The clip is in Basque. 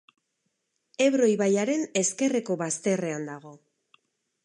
Ebro ibaiaren ezkerreko bazterrean dago.